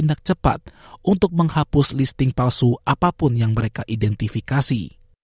tindak cepat untuk menghapus listing palsu apapun yang mereka identifikasi